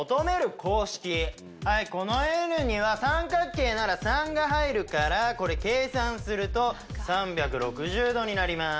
このｎには三角形なら３が入るから計算すると３６０度になります。